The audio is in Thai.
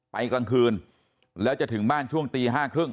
กลางคืนแล้วจะถึงบ้านช่วงตี๕๓๐